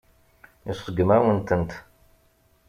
Iseggem-awen-tent.